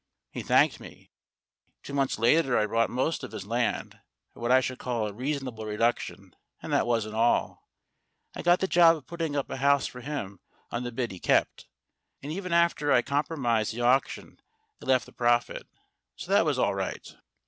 He thanked me. Two months later I'd bought most of his land, at what I should call a reasonable reduc tion; and that wasn't all. I got the job of putting up a house for him on the bit he kept ; and even after I'd compromised the auction it left a profit, so that was all right.